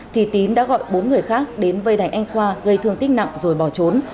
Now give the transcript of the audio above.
thì tín đã gọi bốn người khác đến vây đánh anh khoa gây thương tích nặng rồi bỏ trốn